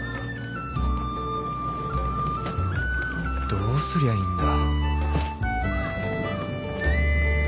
どうすりゃいいんだ